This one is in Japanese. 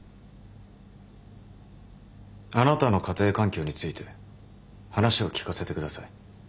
あなたの家庭環境について話を聞かせてください。